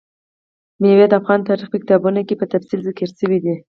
مېوې د افغان تاریخ په کتابونو کې په تفصیل ذکر شوي دي.